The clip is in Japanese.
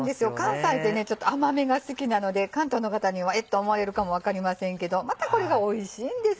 関西ってちょっと甘めが好きなので関東の方には「えっ」て思われるかも分かりませんけどまたこれがおいしいんです。